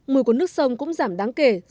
mùi của nước sông cũng giảm đáng kể